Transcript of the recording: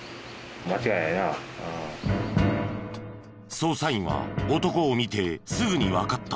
捜査員は男を見てすぐにわかった。